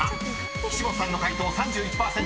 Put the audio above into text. ［岸本さんの解答３１％。